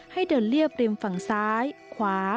ให้เดินเรียบริมฝั่งซ้ายขวา